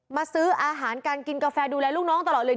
ซื้ออาหารการกินกาแฟดูแลลูกน้องตลอดเลย